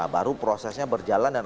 baru prosesnya berjalan dan